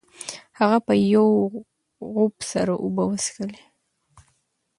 هغه په یو غوپ سره اوبه وڅښلې.